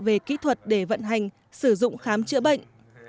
về kỹ thuật để vận hành sử dụng khám chữa bệnh